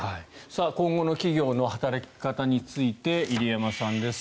今後の企業の働き方について入山さんです。